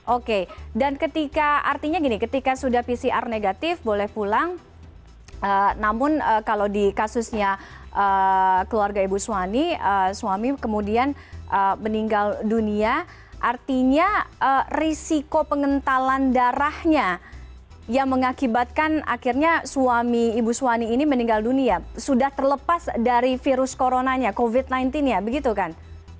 oke dan ketika artinya gini ketika sudah pcr negatif boleh pulang namun kalau di kasusnya keluarga ibu suwani suami kemudian meninggal dunia artinya risiko pengentalan darahnya yang mengakibatkan akhirnya suami ibu suwani ini meninggal dunia sudah terlepas dari virus coronanya covid sembilan belas ya begitu kan